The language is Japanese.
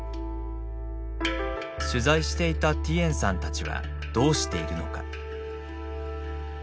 取材していたティエンさんたちはどうしているのか。